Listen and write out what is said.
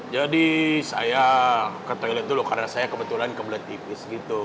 jadi saya ke toilet dulu karena saya kebetulan kebelet tipis gitu